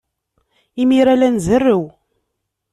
Imir-a, la nzerrew.